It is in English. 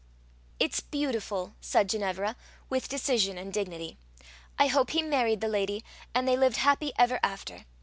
"It's beautiful," said Ginevra, with decision and dignity. "I hope he married the lady, and they lived happy ever after."